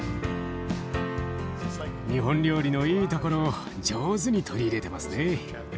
日本料理のいいところを上手に取り入れてますね。